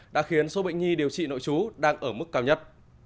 đã khiến số bệnh nhi điều trị nội trú đang ở mức cao nhất